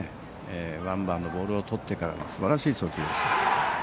ワンバンのボールをとってからのすばらしい送球でした。